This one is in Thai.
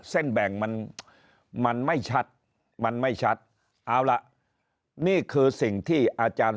เส้นแบ่งมันมันไม่ชัดมันไม่ชัดเอาล่ะนี่คือสิ่งที่อาจารย์